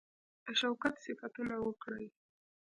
د شوکت صفتونه وکړي.